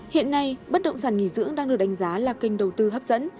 hiện nay bất động sản nghỉ dưỡng đang được đánh giá là kênh đầu tư hấp dẫn